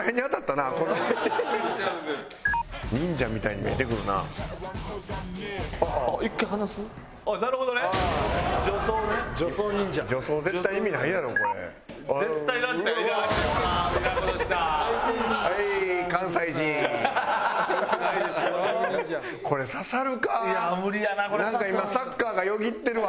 なんか今サッカーがよぎってるわ頭の中。